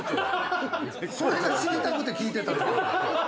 それが知りたくて聞いてたのに。